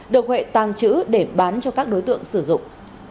được huệ tàng trữ để bán cho các đối tượng sử dụng